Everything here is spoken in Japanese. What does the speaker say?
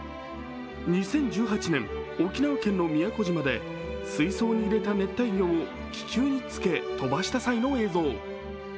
２０１８年、沖縄県の宮古島で水槽に入れた熱帯魚を気球につけ飛ばした際の映像。